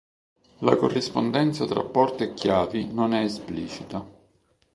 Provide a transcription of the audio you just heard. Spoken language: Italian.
La corrispondenza tra porte e chiavi non è esplicita.